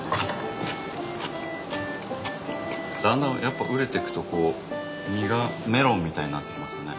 だんだんやっぱ熟れてくとこう実がメロンみたいになってきますね。